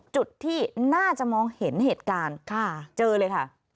จุดที่น่าจะมองเห็นเหตุการณ์เจอเลยค่ะ